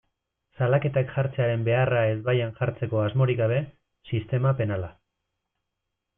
Salaketak jartzearen beharra ezbaian jartzeko asmorik gabe, sistema penala.